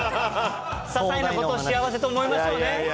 ささいなことを幸せと思いましょうね。